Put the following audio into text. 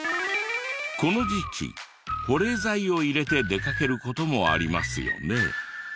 この時期保冷剤を入れて出かける事もありますよね。